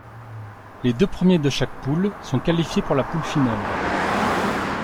Les deux premiers de chaque poule sont qualifiés pour la poule finale.